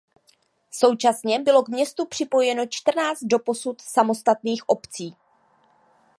Současně bylo k městu připojeno čtrnáct doposud samostatných obcí.